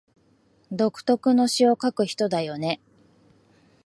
独特の詩を書く人だよね